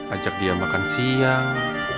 ajak dia makan siang